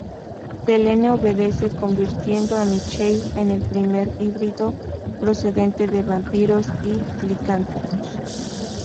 Selene obedece, convirtiendo a Michael en el primer híbrido procedente de vampiros y licántropos.